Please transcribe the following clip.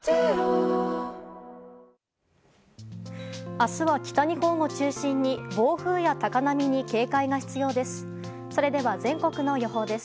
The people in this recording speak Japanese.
明日は北日本を中心に暴風や高波に警戒が必要です。